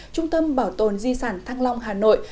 trung tâm bảo tồn di sản thăng long hà nội